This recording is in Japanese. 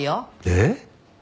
えっ？